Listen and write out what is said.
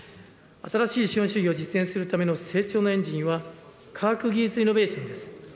新しい資本主義を実現するための成長のエンジンは、科学技術イノベーションです。